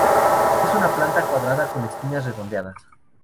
Es de planta cuadrada, con esquinas redondeadas.